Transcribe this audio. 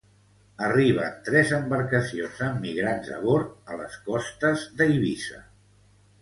Arriben tres embarcacions amb migrants a bord a les costes d'Eivissa.